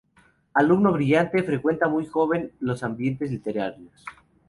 Alumno brillante, frecuenta muy joven los ambientes libertarios.